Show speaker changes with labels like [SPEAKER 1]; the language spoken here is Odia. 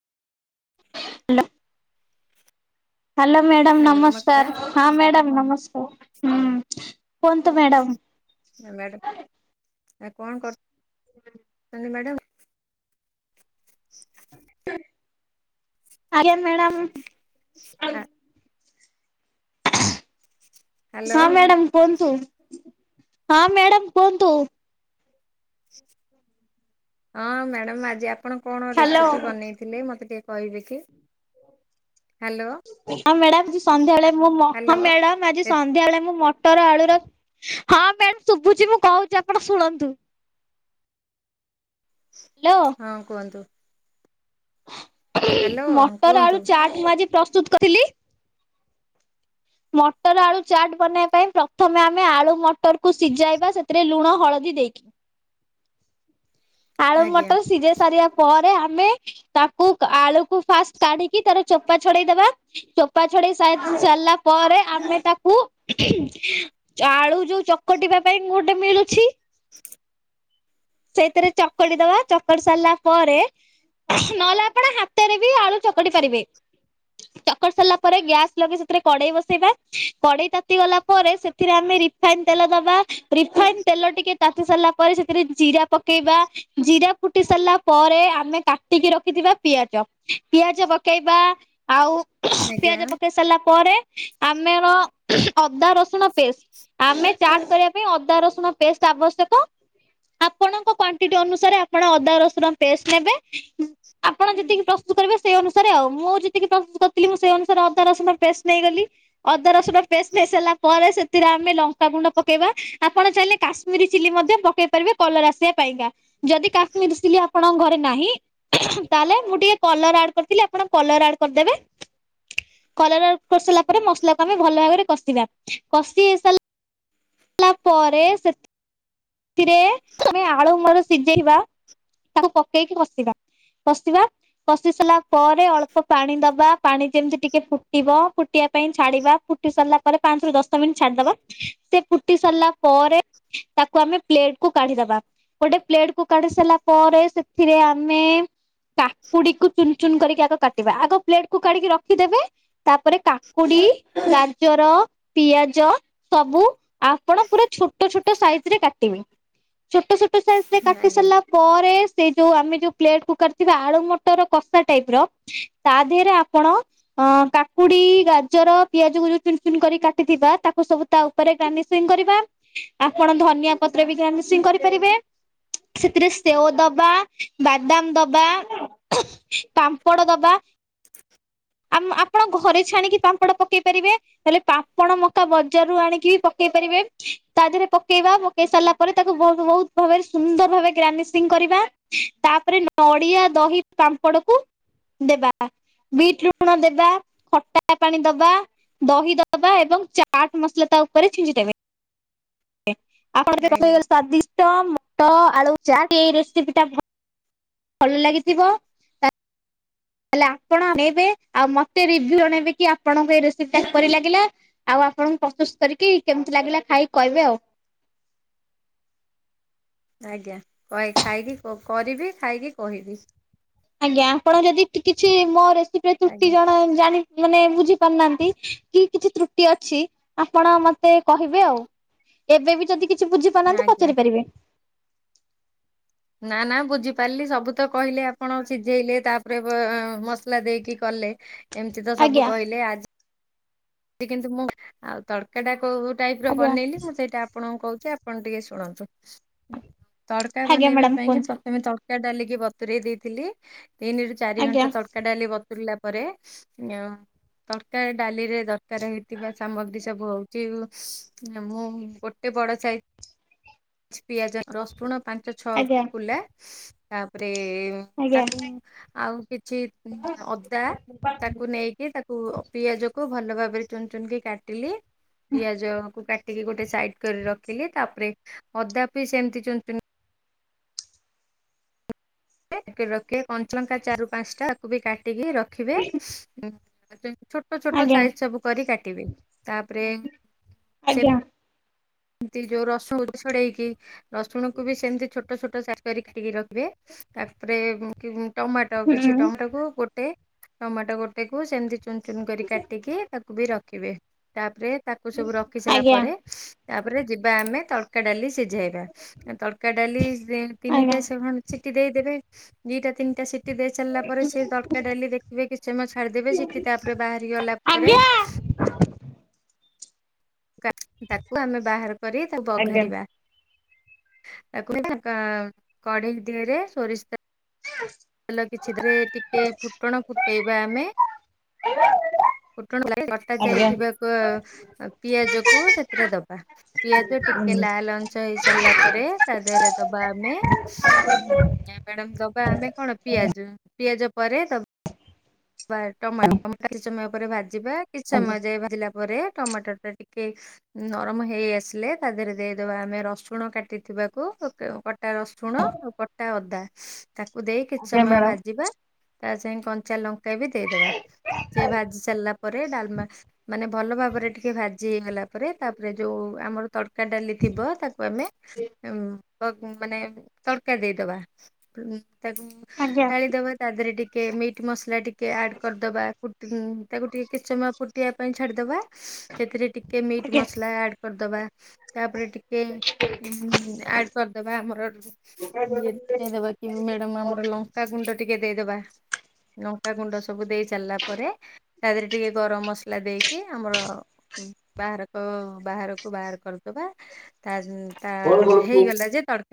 [SPEAKER 1] [unintelligible] ହାଲୋ ମ୍ୟାଡ଼ାମ ନମସ୍କାର ହଁ ମ୍ୟାଡ଼ମ୍ ନମସ୍କାର ହୁଁ କୁହନ୍ତୁ ମ୍ୟାଡ଼ମ୍।
[SPEAKER 2] ମ୍ୟାଡାମ ଆଉ କଣ କର ମ୍ୟାଡ଼ାମ୍।
[SPEAKER 1] ଆଜ୍ଞା ମ୍ୟାଡ଼ାମ।
[SPEAKER 2] [inaudible]
[SPEAKER 1] ହଁ
[SPEAKER 2] ହ୍ୟାଲୋ
[SPEAKER 1] ମ୍ୟାଡ଼ାମ କୁହନ୍ତୁ ହଁ ମ୍ୟାଡ଼ାମ କୁହନ୍ତୁ।
[SPEAKER 2] ହଁ ମ୍ୟାଡାମ ଆଜି ଆପଣ କଣ
[SPEAKER 1] ହ୍ୟାଲୋ
[SPEAKER 2] ରେସିପି ବନେଇଥିଲେ ମତେ ଟିକେ କହିବେ କି? ହ୍ୟାଲୋ
[SPEAKER 1] ହଁ ମ୍ୟାଡାମ ଆଜି ସନ୍ଧ୍ୟାବେଳେ ମୁଁଁ
[SPEAKER 2] ହ୍ୟାଲୋ
[SPEAKER 1] [inaudible] ସନ୍ଧ୍ୟାବେଳେ ମୁଁ ମଟର ଆଳୁର ହଁ ମ୍ୟାଡାମ୍ ଶୁଭୁଛି ମୁଁ କହୁଛି ଆପଣ ଶୁଣନ୍ତୁ।
[SPEAKER 2] [inaudible]
[SPEAKER 1] ହ୍ୟାଲୋ।
[SPEAKER 2] ହଁ କୁହନ୍ତୁ। ହ୍ୟାଲୋ
[SPEAKER 1] ମଟର
[SPEAKER 2] କୁହନ୍ତୁ
[SPEAKER 1] ଆଳୁ ଚାଟ ମୁଁ ଆଜି ପ୍ରସ୍ତୁତ କରିଥିଲି। ମଟର ଆଳୁ ଚାଟ୍ ବନେଇବା ପାଇଁ ପ୍ରଥମେ ଆମେ ଆଳୁ ମଟରକୁ ସିଝାଇବା ସେଥିରେ ଲୁଣ ହଳଦୀ ଦେଇକି। ଆଳୁ
[SPEAKER 2] ଆଜ୍ଞା
[SPEAKER 1] ମଟର ସିଝେଇ ସାରିବା ପରେ ଆମେ ତାକୁ ଆଳୁକୁ ଫାଷ୍ଟ କାଢିକି ତାର ଚୋପା ଛଡେଇଦବା। ଚୋପା ଛଡେଇ ସାଇ ସାରିଲା ପରେ ଆମେ ତାକୁ ଆଳୁ ଯୋଉ ଚକଟିବା ପାଇଁ ଗୋଟେ ମିଳୁଛି।
[SPEAKER 2] [unintelligible]
[SPEAKER 1] ସେଇଥିରେ ଚକଡି ଦବା ଚକ ଚକଟି ସାରିଲା ପରେ ନହେଲେ ଆପଣ ହାତରେ ବି ଆଳୁ ଚକଟି ପାରିବେ।
[SPEAKER 2] [inaudible]
[SPEAKER 1] ଚକଟି ସାରିଲା ପରେ ଗ୍ୟାସ୍ ଲଗି ସେଥିରେ କଡେଇ ବସେଇବା କଡେଇ ତାତି ଗଲା ପରେ ସେଥିରେ ଆମେ ରିଫ ରିଫାଇନ ତେଲ ଦେବା ରିଫାଇନ ତେଲ ଟିକେ ତାତି ସାରିଲା ପରେ ସେଥିରେ ଜିରା ପକେଇବା। ଜିରା ଫୁଟି ସାରିଲା ପରେ ଆମେ କାଟିକି ରଖିଥିବା ପିଆଜ। ପିଆଜ ପକେଇବା ଆଉ
[SPEAKER 2] ଆଜ୍ଞା
[SPEAKER 1] ପିଆଜ ପକେଇ ସାରିଲା ପରେ। ଆମେର ଅଦା ରସୁଣ ପେଷ୍ଟ। ଆମେ ଚାଟ କରିବା ପାଇଁ ଅଦା ରସୁଣ ପେଷ୍ଟ ଆବଶ୍ୟକ।
[SPEAKER 2] [inaudible]
[SPEAKER 1] ଆପଣଙ୍କ କ୍ୱାନ୍ଟିଟୀ ଅନୁସାରେ ଆପଣ ଅଦା ରସୁଣ ପେଷ୍ଟ ନେବେ। ଆପଣ ଯେତିକି ପ୍ରସ୍ତୁତ କରିବେ ସେଇ ଅନୁସାରେ ଆଉ ମୁଁ ଯେତିକି ପ୍ରସ୍ତୁତ କରିଥିଲି ମୁଁ ସେଇ ଅନୁସାରେ ଅଦା ରସୁଣ ପେଷ୍ଟ ନେଇଗଲି। ଅଦା ରସୁଣ ପେଷ୍ଟ୍ ମିଶେଇଲା ପରେ ସେଥିରେ ଆମେ ଲଙ୍କାଗୁଣ୍ଡ ପକେଇବା ଆପଣ ଚାହିଁଲେ କାଶ୍ ମିରି ଚିଲି ମଧ୍ୟ ପକେଇ ପାରିବେ କଲର୍ ଆସିବା ପାଇଁକା ଯଦି କାଶ୍ମୀର୍ ଚିଲି ଆପଣଙ୍କ ଘରେ ନାହିଁ ତାହଲେ ମୁଁ ଟିକେ କଲର୍ ଆଡ କରିଥିଲି ଆପଣ କଲର୍ ଆଡ କରିଦେବେ। କଲର୍ ଆଡ୍ କରିସାରିଲା ପରେ ମସଲା କୁ ଆମେ ଭଲ ଭାବରେ କଷିବା। କଷି ହେଇସାରିଲା ପରେ ସେ ସେଥିରେ ତମେ ଆଳୁ [unintelligible] ସିଜେଇବା ତାକୁ ପକେଇକି କଷିବା -କଷିବା କଷି ସାରିଲା ପରେ ଅଳ୍ପ ପାଣି ଦବା ପାଣି ଯେମିତି ଟିକେ ଫୁଟିବ ଫୁଟିବା ପାଇଁ ଛାଡିବା ଫୁଟି ସାରିଲା ପରେ ପାଞ୍ଚରୁ ଦଶ ମିନିଟ୍ ଛାଡିଦବା ସେ ଫୁଟି ସାରିଲା ପରେ ତାକ୍- ତାକୁ ଆମେ ପ୍ଲେଟ୍ କୁ କାଢିଦବା ଗୋଟେ ପ୍ଲେଟ୍ କୁ କାଢି ସାରିଲା ପରେ ସେଥିରେ ଆମେ କାକୁଡି କୁ ଚୁନ୍ ଚୁନ୍ କରିକି ଆଗ କାଟିବା ଆଗ ପ୍ଲେଟ୍ କୁ କାଢିକି ରଖିଦେବେ ତାପରେ କାକୁଡି, ଗାଜର, ପିଆଜ ସବୁ ଆପଣ ପୁରା ଛୋଟ ଛୋଟ ସାଇଜ୍ ରେ କାଟିବେ ଛୋଟ ଛୋଟ ସାଇଜ୍ ରେ କାଟି
[SPEAKER 2] ଆଜ୍ଞା
[SPEAKER 1] ସାରିଲା ପରେ ସେ ଯଉ ଆମେ ଯଉ ପ୍ଲେଟ୍ କୁ କାଢିଥିବା ଆଳୁ ମଟର କଷା ଟାଇପ୍ ର ତା ଦେହେରେ ଆପଣ ଅଁ- କାକୁଡି, ଗାଜର, ପିଆଜ କୁ ଯଉ ଚୁନ୍ ଚୁନ୍ କରି କାଟିଥିବା ତାକୁ ସବୁ ତା ଉ ଉପରେ ଗାର୍ନିସିଙ୍ଗ୍ କରିବା ଆପଣ ଧନିଆ ପତ୍ର ବି ଗାର୍ନିସିଙ୍ଗ୍ କରିପାରିବେ। ସେଥିରେ ସେଓ ଦବା ବାଦାମ୍ ଦବା ପାମ୍ପଡ ଦବା
[SPEAKER 2] [inaudible]
[SPEAKER 1] ଆମ୍ -ଆପଣ ଘରେ ଛାଣିକି ପାମ୍ପଡ଼ ପକେଇ ପାରିବେ। ହେଲେ ପାମ୍ପଡ ମକା ବଜାର୍ ରୁ ଆଣିକି ବି ପକେଇ ପାରିବେ ତା ଦେହରେ ପକେଇବା ବ ପକେଇ ସାରିଲା ପରେ ତାକୁ ବହୁତ୍ ବହୁତ୍ ଭାବରେ ସୁନ୍ଦର୍ ଭାବରେ ଗାର୍ନିସିଙ୍ଗ୍ କରିବା ତାପରେ ନଡିଆ, ଦହି, ପାମ୍ପଡ କୁ ଦେବା ବିଟ୍ ରୁଟ୍ ଲୁଣ ଦେବା। ଖଟା ପାଣି ଦବା ଦହି ଦବା ଏବଂ ଚାଟ୍ ମସଲା ତା ଉପରେ ଛିଞ୍ଚିଦେବେ। ଆପଣଙ୍କ
[SPEAKER 2] ଆଜ୍ଞା
[SPEAKER 1] ସ୍ଵାଦିଷ୍ଟ ମଟ- ଆଳୁ ଚାଟ୍ ଏଇ ରେସିପି ଟା ଭ ଭଲ୍ ଲାଗିଥିବ ତାଲେ ଆପଣ ବନେଇବେ ଆଉ ମତେ ରିଭ୍ୟୁ ଜଣେଇବେ କି ଆପଣଙ୍କୁ ଏଇ ରେସିପି ଟା କିପରି ଲାଗିଲା ଆଉ ଆପଣଙ୍କୁ ପ୍ରସ୍ତୁସ୍ କରିକି କେମିତି ଲାଗିଲା ଖାଇକି କହିବେ ଆଉ।
[SPEAKER 2] ଆଜ୍ଞା କଏ- ଖାଇକି କ-କରିବି ଖାଇକି କହିବି।
[SPEAKER 1] ଆଜ୍ଞା ଆପଣ ଯଦି କିଛି ମୋ ରେସିପିରେ ତ୍ରୁଟି
[SPEAKER 2] ଆଜ୍ଞା
[SPEAKER 1] ଜଣ- ଜାଣି ମାନେ ବୁଝି ପାରୁନାହାନ୍ତି କି କିଛି ତ୍ରୁଟି ଅଛି ଆପଣ ମ ମତେ କହିବେ ଆଉ ଏବେ ବି ଯଦି କିଛି ବୁଝିପାରୁନାହାନ୍ତି
[SPEAKER 2] ଆଜ୍ଞା
[SPEAKER 1] ପଚାରି ପାରିବେ।
[SPEAKER 2] ନା -ନା ବୁଝିପାରିଲି ସବୁ ତ କହିଲେ ଆପଣ ସିଜେଇଲେ ତା ପରେ ମସଲା ଦେଇକି କଲେ ଏମିତି ତ ସବୁ
[SPEAKER 1] ଆଜ୍ଞା
[SPEAKER 2] କହିଲେ ଆଜି କିନ୍ତୁ ମୁଁ ଆଉ ତଡ୍କା କଉ ଟାଇପ୍ ର
[SPEAKER 1] ଆଜ୍ଞା
[SPEAKER 2] ବନେଇଲି ମୁଁ ସେଇଟା ଆପ୍ ଆପଣଙ୍କୁ କହୁଚି ଆପଣ ଟିକେ ଶୁଣନ୍ତୁ ତଡ୍କା
[SPEAKER 1] ଆଜ୍ଞା
[SPEAKER 2] ବନେଇବା
[SPEAKER 1] ମ୍ୟାଡାମ
[SPEAKER 2] ପାଇଁ କି
[SPEAKER 1] କୁହନ୍ତୁ।
[SPEAKER 2] ପ୍ରଥମେ ତ ତଡ୍କା ଡାଲିକି ବତୁରେଇ ଦେଇଥିଲି ତିନିରୁ ଚାରି
[SPEAKER 1] ଆଜ୍ଞା
[SPEAKER 2] ଘଣ୍ଟା ତ ତଡ୍କା ଡାଲି ବତୁରିଲା ପରେ ଅଁ-ତଡ୍କା ଡାଲିରେ ଦରକାର୍ ହଉଥିବା ସାମଗ୍ରୀ ବ ହଉଚି [unintelligible] ଗୋଟେ ବଡ ସାଇଜ୍ କିଛି ପିଆଜ -ରସୁଣ ପାଞ୍ଚ ଛଅ
[SPEAKER 1] ଆଜ୍ଞା
[SPEAKER 2] କୁଲା ତାପରେ
[SPEAKER 1] ଆଜ୍ଞା
[SPEAKER 2] ତାକୁ ଆଉ କିଛି ଅଦା ତାକୁ ନେଇକି ତାକ୍ ପୁ-ପିଆଜ କୁ ଭଲ ଭାବରେ ଚୁନ୍ ଚୁନ୍ କି କାଟିଲି ପିଆଜ କୁ କାଟିକି ଗୋଟେ ସାଇଟ୍ କରି ରଖିଲି ତାପରେ ଅଦା ବି ସେମିତି ଚୁନ୍ ଚୁନ୍ ରଖିବେ କଞ୍ଚାଲଙ୍କା ଚାରି ରୁ ପାଞ୍ଚଟା ତାକୁ ବି କାଟିକି ରଖିବେ ଛୋଟ ଛୋଟ
[SPEAKER 1] ଆଜ୍ଞା
[SPEAKER 2] ସାଇଜ୍ ସବୁ କରି କାଟିବେ ତାପରେ ସେ
[SPEAKER 1] ଆଜ୍ଞା।
[SPEAKER 2] ଏମତି ଯଉ ରସୁଣ ଛଡେଇକି ରସୁଣକୁ ବି ସେମିତି ଛୋଟ୍ ଛୋଟ ଛୋଟ ସାଇଜ୍ କରି ଖାଟିକି ରଖିବେ ତାପରେ ଟମାଟୋ
[SPEAKER 1] ହୁଁ
[SPEAKER 2] କିଛି ଟମାଟୋକୁୁ ଗୋଟେ ଟମାଟୋ ଗୋଟେ କୁ ସେମିତି ଚୁନ ଚୁନ କରି କାଟିକି ତାକୁ ବି ରଖିବେ ତାପରେ ତାକୁ ସବୁ ରଖି ସାରିଲା
[SPEAKER 1] ଆଜ୍ଞା
[SPEAKER 2] ପରେ ତାପରେ ଯିବା ଆମେ ତଡ଼କା ଡାଲି ସିଝେଇବା ତଡକା ଡାଲି
[SPEAKER 1] ଆଜ୍ଞା ଆଜ୍ଞା।
[SPEAKER 2] ତିନିଟା
[SPEAKER 1] ହୁଁ। ଆଜ୍ଞା ମ୍ୟାଡ଼ାମ।
[SPEAKER 2] ସେ ସିଟି ଦେଇଦେବେ ଦିଟା ତିନିଟା ସିଟି ଦେଇ ସାରିଲା ପରେ ସେ ତଡକା ଡାଲି ଦେଖିବେ କିଛି ସମୟ ଛାଡିଦେବେ ସିଠି ତାପରେ ବାହାରି ଗଲା ପରେ
[SPEAKER 1] ଆଜ୍ଞା
[SPEAKER 2] ତାକୁ ଆମେ ବାହାର କରି ତାକୁ ବଘାରିବା ତାକୁ ହ ତା କଢେଈ ଦେହରେ ସୋରିଷ ତେ
[SPEAKER 1] ହଁ
[SPEAKER 2] ତେଲ କିଛିଥିରେ ଟିକେ ଫୁଟଣ ଫୁଟେଇବା ଆମେ ଫୁଟଣ କଟା ଯାଇଥିବା ପିଆଜ କୁ ସେ ରେ ଦବା ପିଆଜ ଟିକେ ଲାଲ ଛ ହେଇ ସାରିଲା ପରେ ତା ଦେହରେ ଦବା ଆମେ ମ୍ୟାଡାମ୍ ଦବା ଆମେ କଣ ପିଆଜ ପିଆଜ ପରେ ତ ବା ଟମାଟ କିଛି ସମୟ ପରେ ଭାଜିବା କିଛି ସମୟ ଯାଏ ଭାଜିଲା ପରେ ଟମାଟର ଟା ଟିକେ ନରମ ହେଇ ଆସିଲେ ତା ଦେହରେ ଦେଇଦେବା ଆମେ ରସୁଣ କାଟିଥିବାକୁ କଟା ରସୁଣ ଆଉ କଟା ଅଦା ତାକୁ ଦେଇ କିଛି ସମୟ ଭାଜିବା ତା ସାଙ୍ଗ କଞ୍ଚା ଲଙ୍କା ବି ଦେଇଦବା ସେ ଭାଜି ସାରିଲା ପରେ ଡାଲମା ମାନେ ଭଲ ଭାବରେ ଟିକେ ଭାଜି ଜି ଗଲା ପରେ ତାପରେ ଯୋଉ ଆମର ତଡ଼କା ଡାଲି ଥିବ ତାକୁ ଆମେ ଉ ମାନେ ତଡକା ଦେଇଦବା ତାକୁ ଢାଳି ଦବା ତା ଦେହରେ ଟିକେ ମିଟ୍ ମସଲା ଟିକେ ଆଡ କରିଦବା ତାକୁ ଟିକେ କିଛି ସମୟ ଫୁଟିବା ପାଇଁ ଛାଡ଼ିଦେବା ସେଥିରେ ଟିକେ ମିଟ୍ ମସଲା ଆଡ଼୍ କରିଦବା ତାପରେ ଟିକେ ଆଡ କରିଦବା ଆମର ଟେ ଦେଇଦବା କି ମ୍ୟାଡାମ୍ ଆମର ଲଙ୍କା ଗୁଣ୍ଡ ଟିକେ ଦେଇଦବା ଗୁଣ୍ଡ ସବୁ ଦେଇ ସାରିଲା ପରେ ତା ଦେହରେ ଟିକେ ଗରମ ମସଲା ଦେଇକି ଆମର ବାହାରକ ବାହାରକୁ ବାହାର କରିଦବା ତା ତା
[SPEAKER 1] ଆଜ୍ଞା।
[SPEAKER 2] ହେଇଗଲା ଯେ ତଡକା